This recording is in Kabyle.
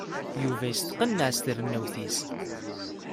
Yuba yesteqneɛ s trennawt-is.